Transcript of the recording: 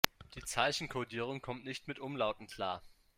Die Zeichenkodierung kommt nicht mit Umlauten klar.